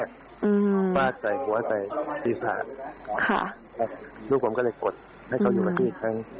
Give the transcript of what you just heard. อืมปลาใส่หัวใส่ปีศาจค่ะลูกผมก็เลยกดให้เขาอยู่กับพี่อีกครั้ง